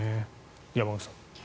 山口さん。